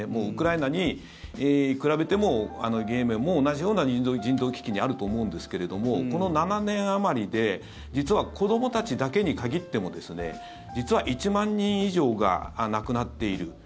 ウクライナに比べてもイエメンも同じような人道危機にあると思うんですけれどもこの７年あまりで実は子どもたちだけに限っても実は１万人以上が亡くなっている。